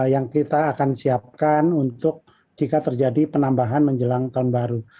yang kita akan siapkan untuk jika terjadi penambahan menjelang tahun baru